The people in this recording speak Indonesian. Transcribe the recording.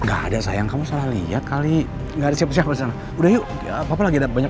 ada sayang kamu salah lihat kali nggak ada siapa siapa sana udah yuk apa lagi ada banyak